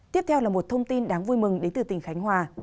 tiếp theo là một thông tin đáng vui mừng đến từ tỉnh khánh hòa